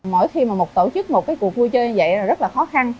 mỗi khi mà một tổ chức một cái cuộc vui chơi như vậy là rất là khó khăn